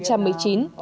đây là lần đầu tiên